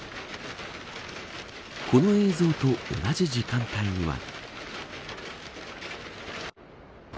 この映像と同じ時間帯には。